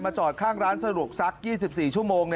จอดข้างร้านสะดวกซัก๒๔ชั่วโมง